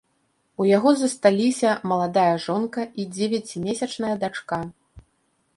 У яго засталіся маладая жонка і дзевяцімесячная дачка.